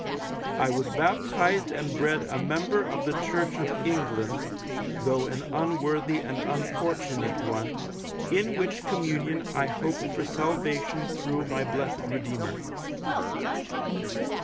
I was baptized and bred a member of the Church of England (though an unworthy and unfortunate one) in which Communion I hope for salvation through my blessed Redeemer.